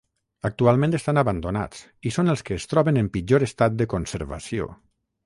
Actualment estan abandonats i són els que es troben en pitjor estat de conservació.